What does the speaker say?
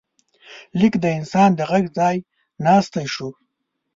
لیک د انسان د غږ ځای ناستی شو.